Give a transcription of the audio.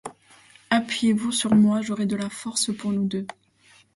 Appuyez-vous sur moi j'aurai de la force pour nous deux.